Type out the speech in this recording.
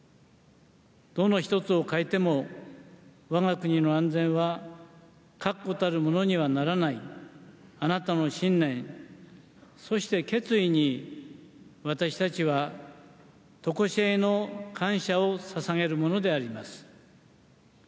どの１つを欠いても我が国の安全は確固たるものにはならないあなたの信念そして、決意に私たちはとこしえの感謝を捧げるものであります。